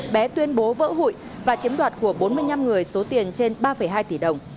bé tuyên bố vỡ hụi và chiếm đoạt của bốn mươi năm người số tiền trên ba hai tỷ đồng